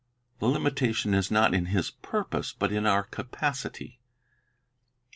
The limitation is not in His purpose, but in our capacity.